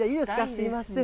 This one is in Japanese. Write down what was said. すみません。